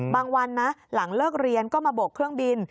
วันนะหลังเลิกเรียนก็มาบกเครื่องบิน